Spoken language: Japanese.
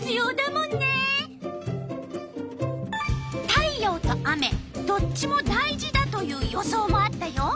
太陽と雨どっちも大事だという予想もあったよ。